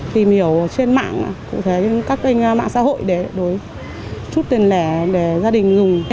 tìm hiểu trên mạng cụ thể như các kênh mạng xã hội để chút tiền lẻ để gia đình dùng